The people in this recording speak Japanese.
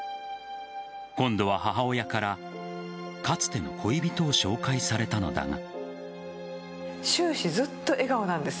今度は、母親からかつての恋人を紹介されたのだが。